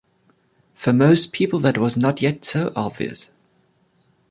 For most people that was not yet so obvious.